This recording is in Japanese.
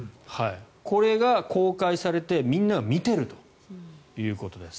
これが公開されてみんなが見ているということです。